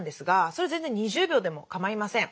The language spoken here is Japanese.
それ全然２０秒でも構いません。